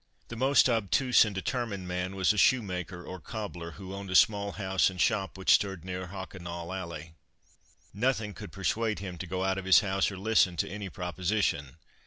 The most obtuse and determined man was a shoemaker or cobbler, who owned a small house and shop which stood near Hockenall alley. Nothing could persuade him to go out of his house or listen to any proposition.